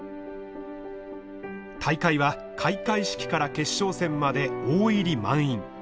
大会は開会式から決勝戦まで大入り満員。